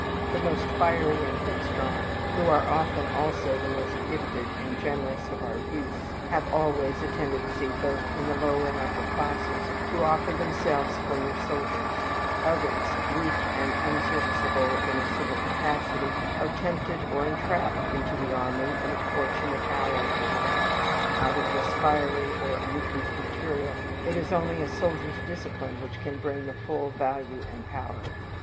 The most fiery and headstrong, who are often also the most gifted and generous of your youths, have always a tendency both in the lower and upper classes to offer themselves for your soldiers: others, weak and unserviceable in a civil capacity, are tempted or entrapped into the army in a fortunate hour for them: out of this fiery or uncouth material, it is only a soldier's discipline which can bring the full value and power.